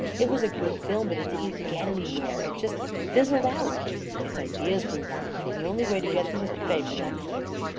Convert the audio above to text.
It was a good film, but it didn't get anywhere — it just fizzled out. It's ideas we want. And the only way to get them is to pay for them."